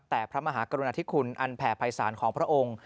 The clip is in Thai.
แต่พระมหากรุณาธิคุณอันแผ่ภัยศาลของพระองค์